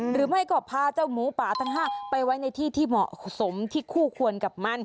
หรือไม่ก็พาเจ้าหมูป่าทั้ง๕ไปไว้ในที่ที่เหมาะสมที่คู่ควรกับมัน